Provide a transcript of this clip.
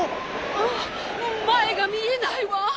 あっまえがみえないわ。